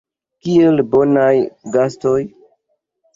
Kiel bonaj gastoj.